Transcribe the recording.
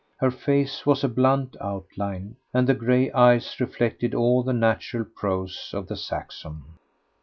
Her face was a blunt outline, and the grey eyes reflected all the natural prose of the Saxon.